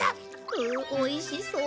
ううおいしそう。